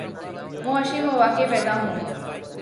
معاشی مواقع پیدا ہوں۔